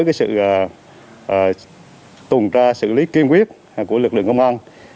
sự tuần tra xử lý kiên quyết của lực lượng công an